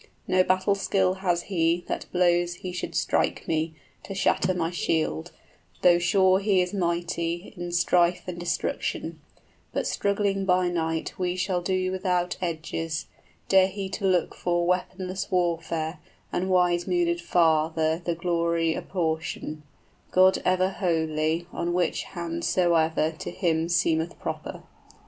} 20 No battle skill has he, that blows he should strike me, To shatter my shield, though sure he is mighty In strife and destruction; but struggling by night we Shall do without edges, dare he to look for Weaponless warfare, and wise mooded Father 25 The glory apportion, God ever holy, {God may decide who shall conquer} On which hand soever to him seemeth proper."